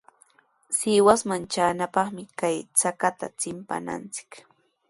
Sihuasman traanapaqmi kay chakatami chimpananchik.